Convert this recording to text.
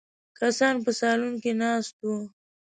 کسان په سالون کې ناست وو.